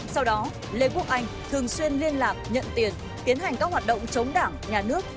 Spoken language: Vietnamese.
sau đó lê quốc anh thường xuyên liên lạc nhận tiền tiến hành các hoạt động chống đảng nhà nước